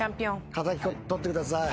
敵取ってください。